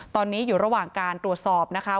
ตอนนี้อยู่ระหว่างการตรวจสอบนะคะ